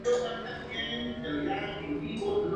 con el inquilino y todo, o sea, con el feto quiero decir.